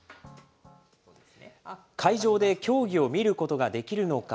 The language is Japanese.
会場で競技を見ることができるのか。